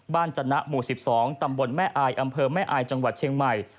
จนะหมู่๑๒ตำบลแม่อายอำเภอแม่อายจังหวัดเชียงใหม่